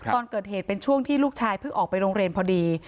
ตอนเกิดเหตุเป็นช่วงที่ลูกชายเพิ่งออกไปโรงเรียนพอดี